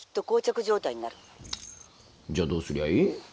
じゃあどうすりゃいい？